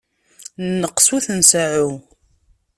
Nneqs ur t-nseɛɛu.